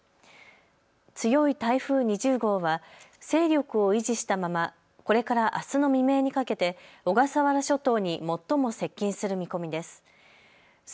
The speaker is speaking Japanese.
強い台風２０号は勢力を維持したままこれからあすの未明にかけて小笠原諸島に最も接近する見込みです。